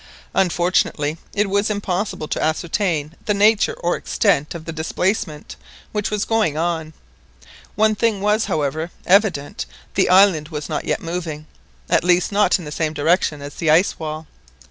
Unfortunately it was impossible to ascertain the nature or extent of the displacement which was going on. One thing was, however, evident, the island was not yet moving, at least not in the same direction as the ice wall.